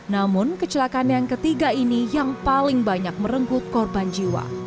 namun kecelakaan yang ketiga ini yang paling banyak merenggut korban jiwa